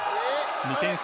２点差。